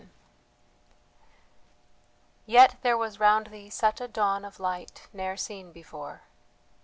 VII Yet there was round thee such a dawn of light ne'er seen before.